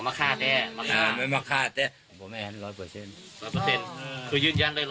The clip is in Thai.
ทำไมไม่ใช่ไม้ตะเคียนเอาคันคันโทรศัพท์ให้ดูด้วย